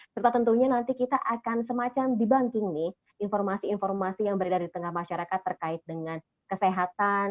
serta tentunya nanti kita akan semacam dibanking nih informasi informasi yang beredar di tengah masyarakat terkait dengan kesehatan